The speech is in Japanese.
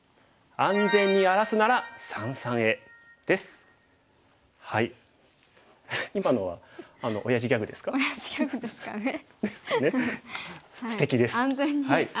安全に荒らすには三々ですね。